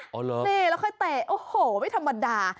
นี่แล้วค่อยเตะโอ้โหไม่ธรรมดา